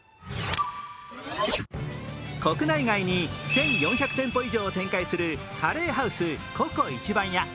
国内外に１４００店舗以上を展開するカレーハウスＣｏＣｏ壱番屋。